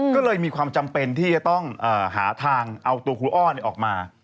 ก็เลยมีความจำเป็นที่จะต้องหาทางเอาตัวครูอ้อออกมา